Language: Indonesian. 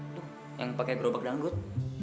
untuk yang pakai gerobak dangdut